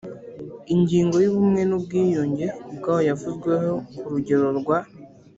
ingingo y ubumwe n ubwiyunge ubwayo yavuzweho ku rugero rwa